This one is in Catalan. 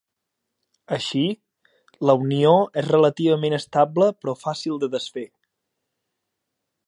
Així, la unió és relativament estable però fàcil de desfer.